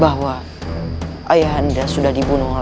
bahwa ayah anda sudah dibunuh